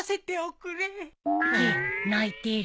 げっ泣いてる。